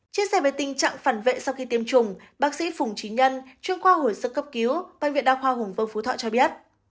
chia sẻ về tình trạng phản vệ sau khi tiêm chủng bác sĩ phùng trí nhân chuyên khoa hồi sức cấp cứu bệnh viện đa khoa hùng vương phú thọ cho biết